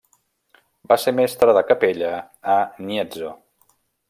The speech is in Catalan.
Va ser mestre de capella a Gniezno.